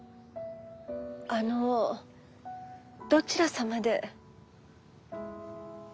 あのどちら様で？